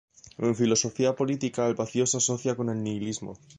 En filosofía política, el vacío se asocia con el nihilismo.